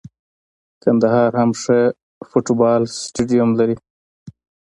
کندهار هم ښه فوټبال سټیډیم لري.